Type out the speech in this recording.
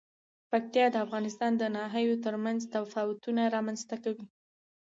پکتیا د افغانستان د ناحیو ترمنځ تفاوتونه رامنځ ته کوي.